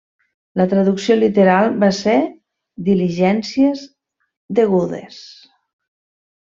La traducció literal ve a ser 'diligències degudes'.